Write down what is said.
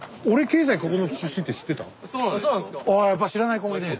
あやっぱ知らない子もいる。